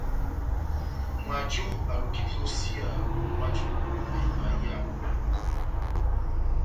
Mwajo alukindi iyosiya momó waju na ivaha iyamu.